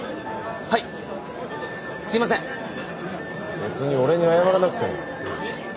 別に俺に謝らなくても。